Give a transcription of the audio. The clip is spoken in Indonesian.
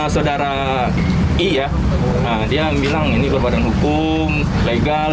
saudara i ya dia bilang ini berbadan hukum legal